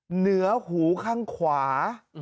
เหนือหูข้างขวา